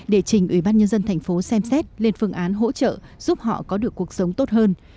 để trình ủy ban nhân dân thành phố xem xét lên phương án hỗ trợ giúp họ có được cuộc sống tốt hơn